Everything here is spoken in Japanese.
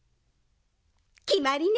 きまりね！